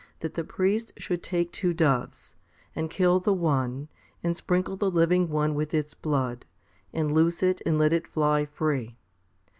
290 HOMILY XLVII 291 that the priest should take two doves, and kill the one, and sprinkle the living one with its blood, and loose it and let it fly free.